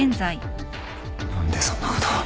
何でそんなこと。